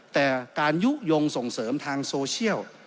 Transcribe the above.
แต่การยุโยงส่งเสริมทางโซเชียล